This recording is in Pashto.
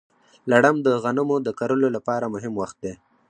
لړم د غنمو د کرلو لپاره مهم وخت دی.